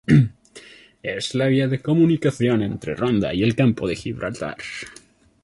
Es la vía de comunicación entre Ronda y el Campo de Gibraltar.